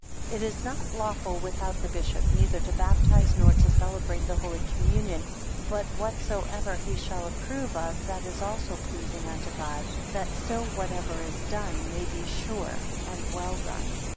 5 It is not lawful without the bishop; neither to baptize, nor to celebrate the Holy Communion but whatsoever he shall approve of, that is also pleasing unto God; that so whatever is done, may be sure and well done.